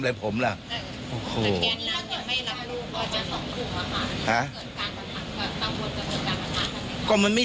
แล้วคุณก็มาถามอะไรผมล่ะ